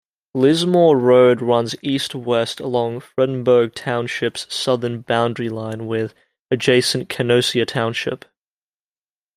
Lismore Road runs east-west along Fredenberg Township's southern boundary line with adjacent Canosia Township.